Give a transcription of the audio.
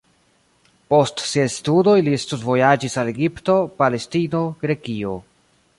Post siaj studoj li studvojaĝis al Egipto, Palestino, Grekio.